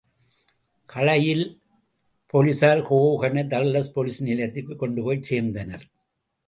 கடையில் போலிஸார் ஹோகனை தர்லஸ் போலிஸ் நிலையத்திற்குக் கொண்டுபோய்ச் சேர்ந்தனர்.